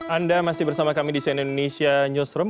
anda masih bersama kami di cnn indonesia newsroom